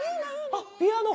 あっピアノ！